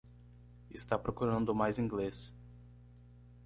Está procurando mais inglês